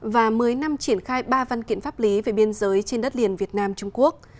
và mới năm triển khai ba văn kiện pháp lý về biên giới trên đất liền việt nam trung quốc